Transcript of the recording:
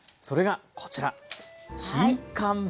それがこちら。